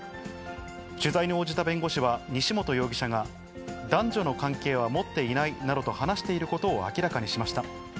取材に応じた弁護士は、西本容疑者が男女の関係は持っていないなどと話していることを明らかにしました。